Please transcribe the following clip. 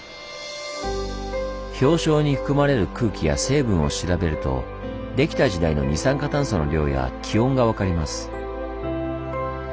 氷床に含まれる空気や成分を調べるとできた時代の二酸化炭素の量や気温が分かります。